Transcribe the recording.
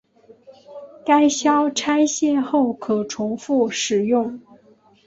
该销拆卸后可重复使用。